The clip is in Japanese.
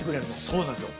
そうなんですよ。